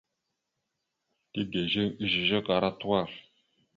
Tigizeŋ ezœzœk ara tuwa.